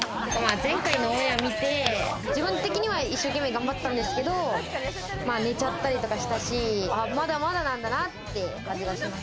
前回のオンエア見て、自分的には一生懸命頑張ってたんですけど、寝ちゃったりとかしたし、まだまだなんだなって感じがします。